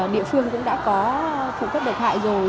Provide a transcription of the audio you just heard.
địa phương cũng đã có phụ cấp độc hại rồi